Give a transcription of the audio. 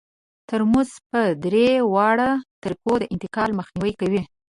ترموز په درې واړو طریقو د انتقال مخنیوی کوي.